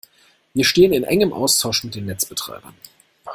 Wir stehen in engem Austausch mit den Netzbetreibern.